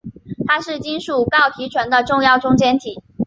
它是金属锆提纯的重要中间体。